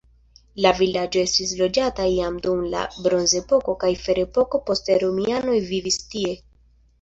La vilaĝo estis loĝata jam dum la bronzepoko kaj ferepoko poste romianoj vivis tie.